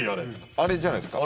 あれじゃないですか。